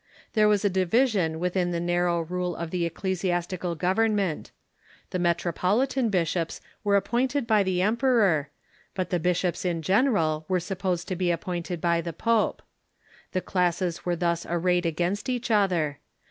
There was a division within the narrow rule of the ecclesiastical govern ment. The metropolitan bishops were appointed by the em peror, but the bishops in general were supposed to be appoint ed by the pope. The classes were thus arrayed against each other.